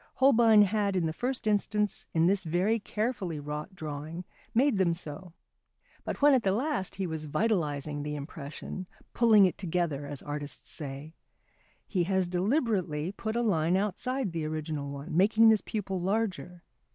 Holbein had in the first instance in this very carefully wrought drawing made them so, but when at the last he was vitalising the impression, "pulling it together" as artists say, he has deliberately put a line outside the original one, making this pupil larger.